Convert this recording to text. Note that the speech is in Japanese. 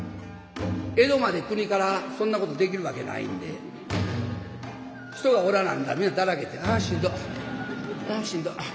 江戸までくにからそんなことできるわけないんで人がおらなんだら皆だらけて「あしんど。あしんど。